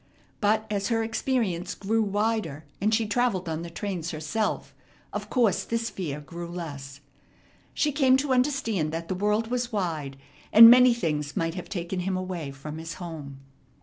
But as her experience grew wider, and she travelled on the trains herself, of course this fear grew less. She came to understand that the world was wide, and many things might have taken him away from his home.